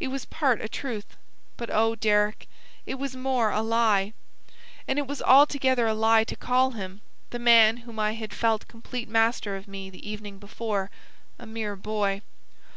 It was part a truth, but oh, Deryck, it was more a lie; and it was altogether a lie to call him the man whom I had felt complete master of me the evening before 'a mere boy.'